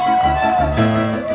udah nunggu sepuluh menit